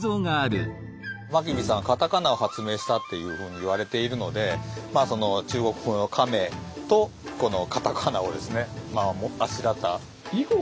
真備さんはカタカナを発明したっていうふうにいわれているのでその中国風の亀とこのカタカナをあしらった。